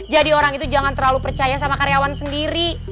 jadi orang itu jangan terlalu percaya sama karyawan sendiri